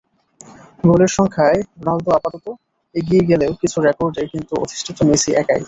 গোলের সংখ্যায় রোনালদো আপাতত এগিয়ে গেলেও কিছু রেকর্ডে কিন্তু অধিষ্ঠিত মেসি একাই।